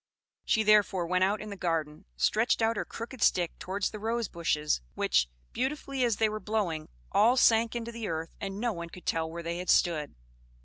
She therefore went out in the garden, stretched out her crooked stick towards the rose bushes, which, beautifully as they were blowing, all sank into the earth and no one could tell where they had stood.